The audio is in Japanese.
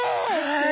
はい。